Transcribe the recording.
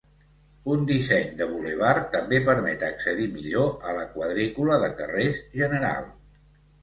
Un disseny de bulevard també permet accedir millor a la quadrícula de carrers general.